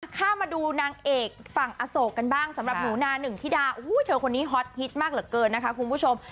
เข้ามาดูนางเอกฝั่งอโศกกันบ้างสำหรับหนูนาหนึ่งธิดาเธอคนนี้ฮอตฮิตมากเหลือเกินนะคะคุณผู้ชม